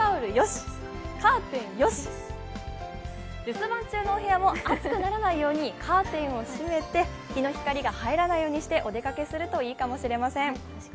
留守番中のお部屋も暑くならないようにカーテンを閉めて日の光が入らないようにお出かけするといいかもしれません。